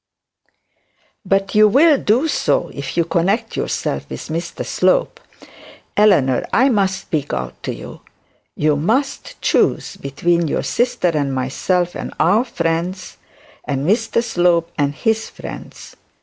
'But you will do so if you connect yourself with Mr Slope. Eleanor, I must speak out to you. You must choose between your sister and myself and our friends, and Mr Slope and his friends.